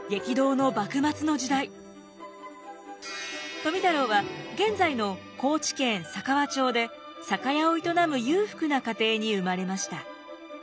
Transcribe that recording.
富太郎は現在の高知県佐川町で酒屋を営む裕福な家庭に生まれました。